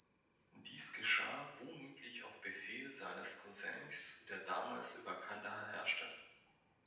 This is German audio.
Dies geschah womöglich auf Befehl seines Cousins, der damals über Kandahar herrschte.